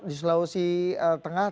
di sulawesi tengah